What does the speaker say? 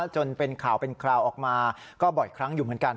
จนเป็นข่าวเป็นคราวออกมาก็บ่อยครั้งอยู่เหมือนกัน